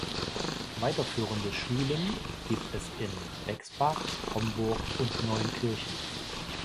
Weiterführende Schulen gibt es in Bexbach, Homburg und Neunkirchen.